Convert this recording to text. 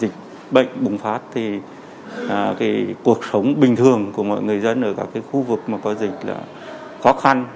cảnh sát thì cuộc sống bình thường của mọi người dân ở các khu vực có dịch là khó khăn